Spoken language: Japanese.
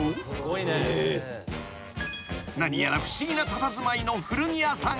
［何やら不思議なたたずまいの古着屋さんが］